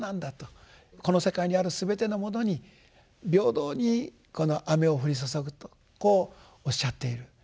この世界にあるすべてのものに平等にこの雨を降り注ぐとこうおっしゃっている。